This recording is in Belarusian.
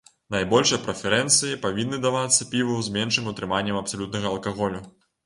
Найбольшыя прэферэнцыі павінны давацца піву з меншым утрыманнем абсалютнага алкаголю.